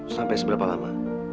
sampai seberapa lama